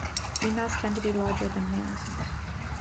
Females tend to be larger than males.